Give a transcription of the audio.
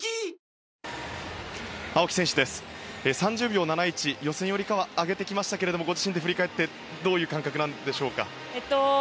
３０秒７１、予選よりかは上げてきましたけれどもご自身で振り返ってどういう感覚なんでしょうか。